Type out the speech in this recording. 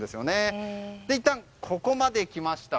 いったんここまで来ました。